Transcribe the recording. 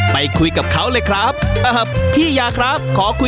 ไปคุยกับเขาเลยครับ